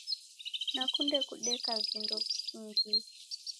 Nakunde kudeka vindo visingie